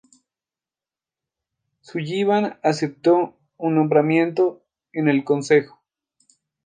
Sullivan aceptó un nombramiento en el consejo.